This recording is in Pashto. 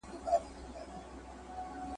لا خو دي ډکه ده لمن له مېړنو زامنو `